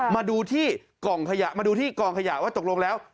มาดูที่กล่องขยะมาดูที่กองขยะว่าตกลงแล้ว